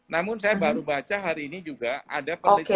namun saya baru baca hari ini juga ada penelitian